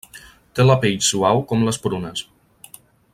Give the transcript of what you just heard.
Té la pell suau com les prunes.